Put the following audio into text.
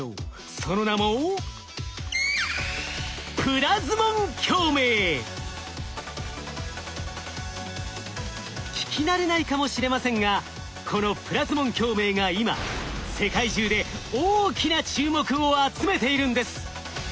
その名も聞き慣れないかもしれませんがこのプラズモン共鳴が今世界中で大きな注目を集めているんです。